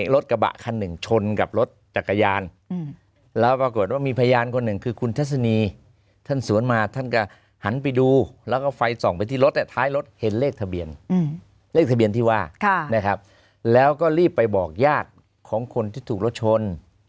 เรียกทะเบียนที่ว่าแล้วก็รีบไปบอกญาติของคนที่ถูกรถชน